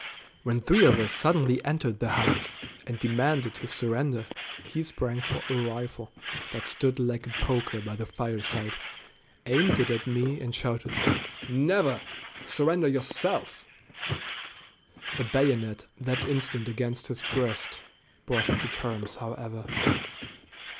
When three of us suddenly entered the house and demanded his surrender he sprang for a rifle that stood like a poker by the fireside, aimed it at me, and shouted "Never! Surrender yourself." A bayonet that instant against his breast brought him to terms, however.